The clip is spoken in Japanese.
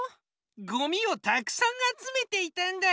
ゴミをたくさんあつめていたんだ。